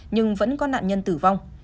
nhưng vẫn có nạn nhân tử vong